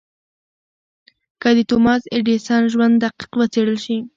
که د توماس ايډېسن ژوند دقيق وڅېړل شي.